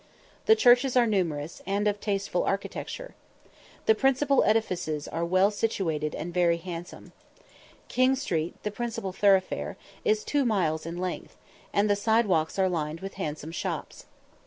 The churches are numerous, and of tasteful architecture. The public edifices are well situated and very handsome. King Street, the principal thoroughfare, is two miles in length, and the side walks are lined with handsome shops.